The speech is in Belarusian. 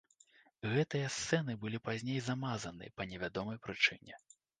Гэтыя сцэны былі пазней замазаны па невядомай прычыне.